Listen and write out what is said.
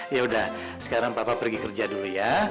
yaudah sekarang papa pergi kerja dulu ya